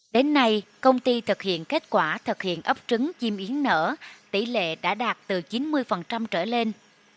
đến nay công ty thực hiện kết quả thực hiện ấp trứng chim yến nở tỷ lệ đã đạt từ chín mươi trở lên